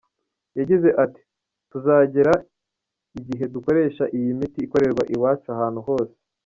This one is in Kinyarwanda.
Yagize ati “Tuzagera igihe dukoresha iyi miti ikorerwa iwacu ahantu hose.